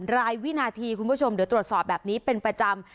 รายวินาทีคุณผู้ชมเดี๋ยวตรวจสอบแบบนี้เป็นประจำ